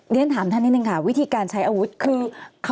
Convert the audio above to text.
เรียนถามท่านนิดนึงค่ะวิธีการใช้อาวุธคือ